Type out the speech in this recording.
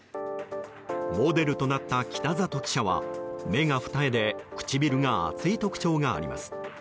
モデルとなった北里記者は目が二重で唇が厚い特徴があります。